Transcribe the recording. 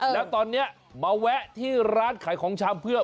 แล้วตอนนี้มาแวะที่ร้านขายของชำเพื่อ